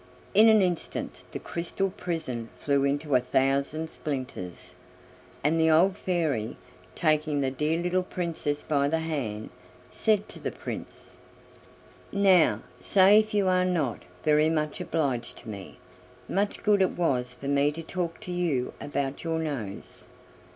In an instant the crystal prison flew into a thousand splinters, and the old Fairy, taking the Dear Little Princess by the hand, said to the Prince: "Now, say if you are not very much obliged to me. Much good it was for me to talk to you about your nose!